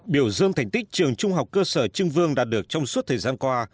biểu dương thành tích trường trung học cơ sở trưng vương đạt được trong suốt thời gian qua